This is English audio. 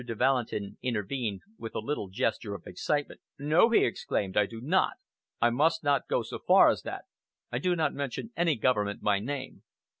de Valentin intervened with a little gesture of excitement. "No!" he exclaimed, "I do not. I must not go so far as that. I do not mention any government by name."